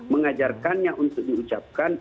mengajarkannya untuk diucapkan